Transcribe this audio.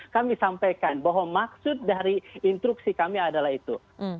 kami sampaikan bahwa maksud dari instruksi kami adalah itu